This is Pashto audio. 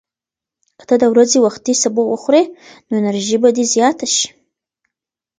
که ته د ورځې وختي سبو وخورې، نو انرژي به دې زیاته شي.